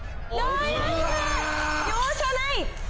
容赦ない！